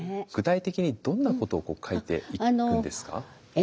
具体的にどんなことを書いていくんですか？